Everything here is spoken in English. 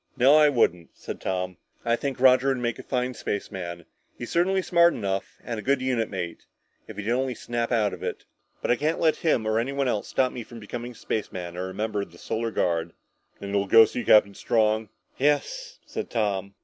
"No, I wouldn't," said Tom. "I think Roger would make a fine spaceman; he's certainly smart enough, and a good unit mate if he'd only snap out of it. But I can't let him or anyone else stop me from becoming a spaceman or a member of the Solar Guard." "Then you'll go see Captain Strong?" "Yes," said Tom.